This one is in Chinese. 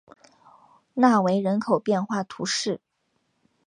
纳韦人口变化图示